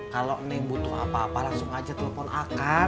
kalo neng butuh apa apa langsung aja telpon akan